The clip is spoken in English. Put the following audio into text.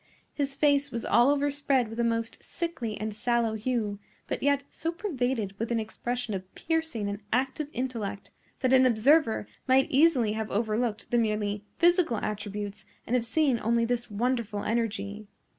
His face was all overspread with a most sickly and sallow hue, but yet so pervaded with an expression of piercing and active intellect that an observer might easily have overlooked the merely physical attributes and have seen only this wonderful energy.